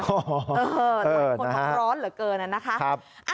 เหมือนคนของร้อนเหลือเกินน่ะนะคะ